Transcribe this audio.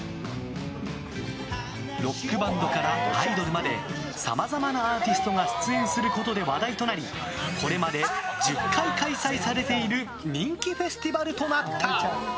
ロックバンドからアイドルまでさまざまなアーティストが出演することで話題となりこれまで１０回開催されている人気フェスティバルとなった。